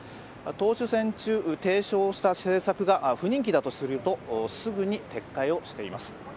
党首選提唱した政策が不人気だとするとすぐに撤回をしています。